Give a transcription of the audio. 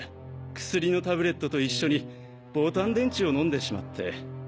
薬のタブレットと一緒にボタン電池を飲んでしまって。